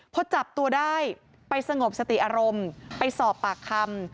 พอจับตัวได้ไปสงบสติอารมณ์ไปสอบปากคำ